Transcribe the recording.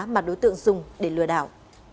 mà đối tượng dùng để lừa đảo